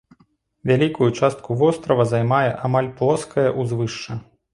Вялікую частку вострава займае амаль плоскае ўзвышша.